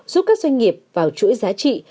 giúp các doanh nghiệp vào chuỗi giá trị